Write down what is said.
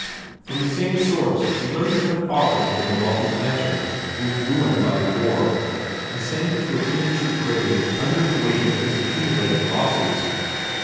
From the same source he learned that her father had been a wealthy planter, who was ruined by the war, and sank into a premature grave under the weight of his accumulated losses.